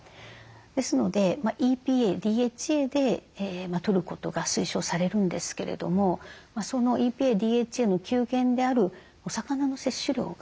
ですのでＥＰＡＤＨＡでとることが推奨されるんですけれどもそのＥＰＡＤＨＡの給源であるお魚の摂取量が